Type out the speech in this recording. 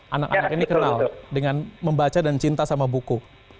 anak anak ini kenal dengan membaca dan cinta sama buku